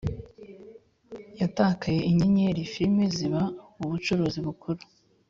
yatakaye inyenyeri: filime ziba ubucuruzi bukuru